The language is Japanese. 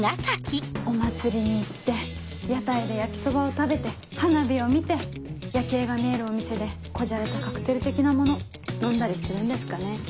お祭りに行って屋台で焼きそばを食べて花火を見て夜景が見えるお店で小じゃれたカクテル的なもの飲んだりするんですかね。